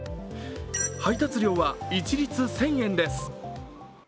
配送料は一律１０００円です。